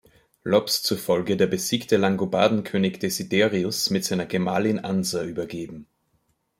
Lobbes zufolge der besiegte Langobardenkönig Desiderius mit seiner Gemahlin Ansa übergeben.